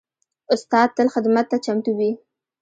استاد تل خدمت ته چمتو وي.